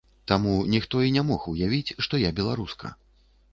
Таму ніхто і не мог уявіць, што я беларуска.